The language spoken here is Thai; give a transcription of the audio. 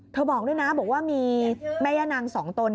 บอกด้วยนะบอกว่ามีแม่ย่านางสองตน